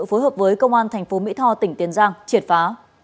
phối hợp với công an tp mỹ tho tỉnh tiền giang triệt phá